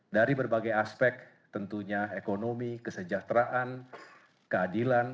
dari berbagai aspek tentunya ekonomi kesejahteraan keadilan